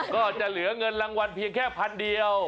ก็จะเหลือเงินรางวัลเพียงแค่พันเดียว